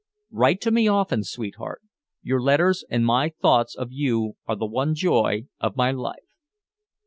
Write to me often, sweetheart. Your letters and my thoughts of you are the one joy of my life.